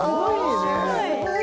すごい！